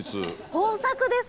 豊作ですよ。